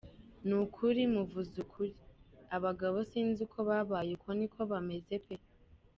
Nukuri muvuze ukuri, abagabo sinzi uko babaye, uko niko bameze pe.